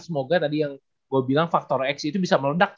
semoga tadi yang gue bilang faktor x itu bisa meledak